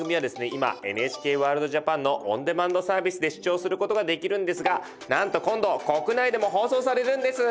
今「ＮＨＫＷＯＲＬＤＪＡＰＡＮ」のオンデマンドサービスで視聴することができるんですがなんと今度国内でも放送されるんです！